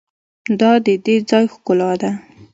دا د دې ځای ښکلا ده.